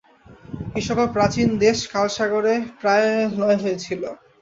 এই সকল প্রাচীন দেশ কালসাগরে প্রায় লয় হয়েছিল।